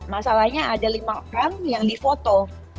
masalahnya ada lima orang yang di foto